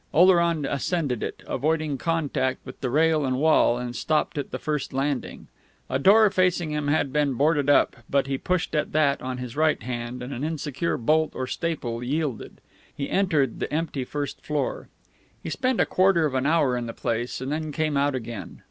Oleron ascended it, avoiding contact with the rail and wall, and stopped at the first landing. A door facing him had been boarded up, but he pushed at that on his right hand, and an insecure bolt or staple yielded. He entered the empty first floor. He spent a quarter of an hour in the place, and then came out again.